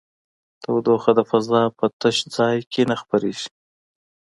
تودوخه د فضا په تش ځای کې نه خپرېږي.